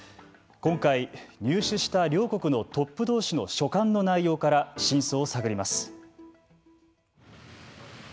今回入手した両国のトップどうしの書簡の内容から真相を探ります。